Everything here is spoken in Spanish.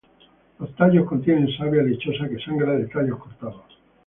Los tallos contienen savia lechosa que sangra de tallos cortados.